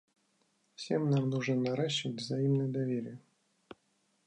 Всем нам нужно наращивать взаимное доверие.